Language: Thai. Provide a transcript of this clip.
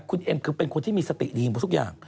คุณเอ็มคือเป็นคนที่มีสติดีหมดทุกอย่าง